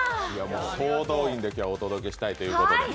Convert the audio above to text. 総動員で今日はお届けしたいということで。